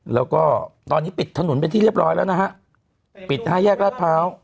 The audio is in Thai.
แล้วก็ตอนนี้ปิดถนนเป็นที่เรียบร้อยแล้วนะฮะปิดห้าแยกราชพร้าว